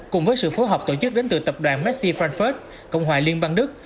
cùng với sự phối hợp tổ chức đến từ tập đoàn messi frankfurt cộng hòa liên bang đức